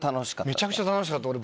めちゃくちゃ楽しかった俺。